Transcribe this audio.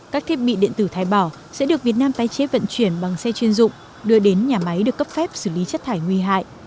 các thiết bị điện tử thái bỏ sẽ được việt nam tái chế vận chuyển bằng xe chuyên dụng đưa đến nhà máy được cấp phép xử lý chất thải nguy hại